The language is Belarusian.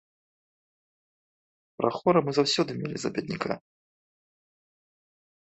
Прахора мы заўсёды мелі за бедняка.